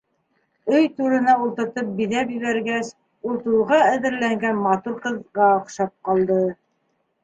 Өй түренә ултыртып биҙәп ебәргәс, ул туйға әҙерләнгән матур ҡыҙға оҡшап ҡалды.